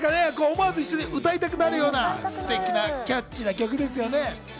思わず一緒に歌いたくなるようなステキなキャッチーな曲ですよね。